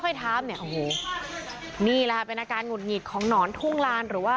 ขออฟตาแถมก่อนแล้วค่ะไปก่อนหน้าครับ